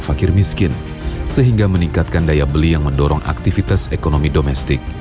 fakir miskin sehingga meningkatkan daya beli yang mendorong aktivitas ekonomi domestik